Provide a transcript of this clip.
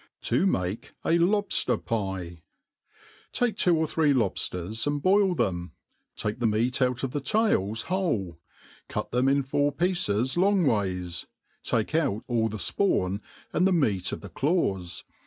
Ti9 make a LobftiT^PUf TAKE tWQ or three lobfiers, and boil them ; take the meat out of the taiU whole, cut them in four pieces long* ways i take out all the fpawn, and the meat of the claws.